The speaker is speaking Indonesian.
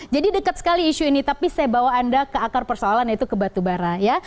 jadi dekat sekali isu ini tapi saya bawa anda ke akar persoalan yaitu ke batubara ya